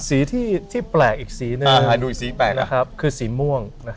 สีที่แปลกอีกสีนึงคือสีม่วง